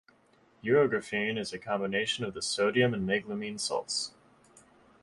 Urografin is a combination of the sodium and meglumine salts.